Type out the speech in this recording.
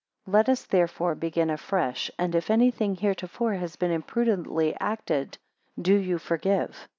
3 Let us therefore begin afresh; and if any thing heretofore has been imprudently acted, do you forgive.